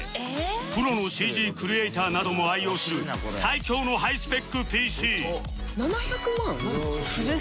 プロの ＣＧ クリエイターなども愛用する最強のハイスペック ＰＣ